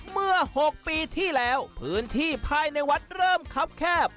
เมื่อ๖ปีที่แล้วพื้นที่ภายในวัดเริ่มคับแคบ